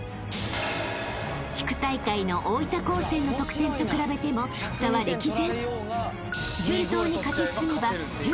［地区大会の大分高専の得点と比べても差は歴然］